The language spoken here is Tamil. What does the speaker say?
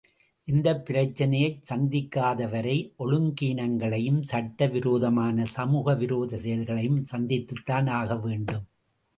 இந்தப் பிரச்சனையைச் சந்திக்காதவரை ஒழுங்கீனங்களையும் சட்ட விரோதமான சமூக விரோத செயல்களையும் சந்தித்துத்தான் ஆக வேண்டும்.